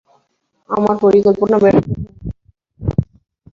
আমার পরিকল্পনা ব্যর্থ হয় না।